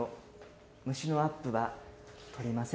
虫のアップは撮りません。